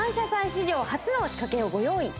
史上初の仕掛けをご用意